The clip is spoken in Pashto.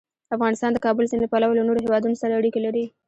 افغانستان د د کابل سیند له پلوه له نورو هېوادونو سره اړیکې لري.